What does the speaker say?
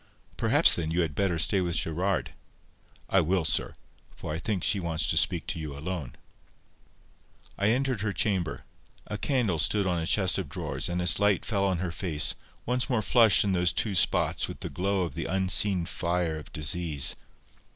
"Perhaps, then, you had better stay with Gerard." "I will, sir; for I think she wants to speak to you alone." I entered her chamber. A candle stood on a chest of drawers, and its light fell on her face, once more flushed in those two spots with the glow of the unseen fire of disease.